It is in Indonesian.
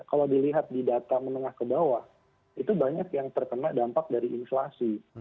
kalau dilihat di data menengah ke bawah itu banyak yang terkena dampak dari inflasi